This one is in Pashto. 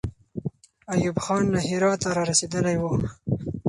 ایوب خان له هراته را رسېدلی وو.